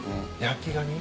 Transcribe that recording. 焼きがに？